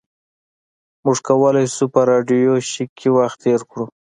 موږ کولی شو په راډیو شیک کې وخت تیر کړو